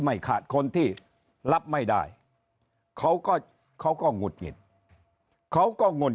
ไม่ขาดคนที่รับไม่ได้เขาก็เขาก็หงุดหงิดเขาก็งุ่น